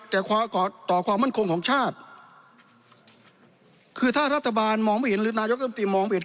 แต่ต่อความมั่นคงของชาติคือถ้ารัฐบาลมองไม่เห็นหรือนายกรรมตรีมองไปเห็น